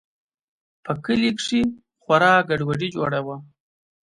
په کلي کښې خورا گډوډي جوړه وه.